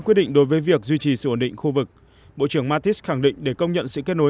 quyết định đối với việc duy trì sự ổn định khu vực bộ trưởng mattis khẳng định để công nhận sự kết nối